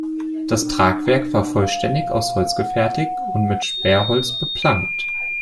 Das Tragwerk war vollständig aus Holz gefertigt und mit Sperrholz beplankt.